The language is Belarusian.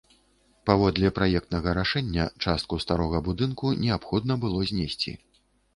Паводле праектнага рашэння, частку старога будынку неабходна было знесці.